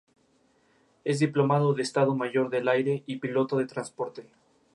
Destinados para su reconstrucción, numerosas secciones y fragmentos del original fueron extraídos y guardados.